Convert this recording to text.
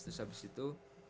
terus habis itu sembilan puluh